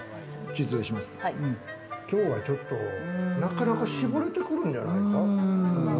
今日はちょっとなかなか絞れてくるんじゃないか。